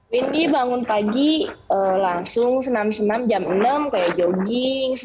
windy bangun pagi langsung senam senam jam enam kayak jogging